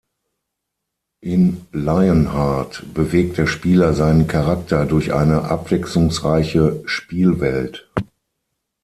In "Lionheart" bewegt der Spieler seinen Charakter durch eine abwechslungsreiche Spielwelt.